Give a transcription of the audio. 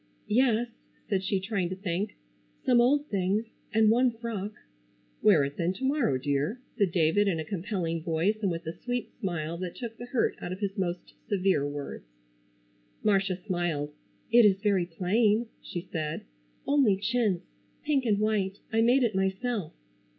"Yes," said she, trying to think. "Some old things, and one frock." "Wear it then to morrow, dear," said David, in a compelling voice and with the sweet smile that took the hurt out of his most severe words. Marcia smiled. "It is very plain," she said, "only chintz, pink and white. I made it myself."